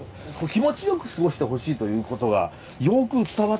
気持ち良く過ごしてほしいということがよく伝わってくる中身だったと思いますよね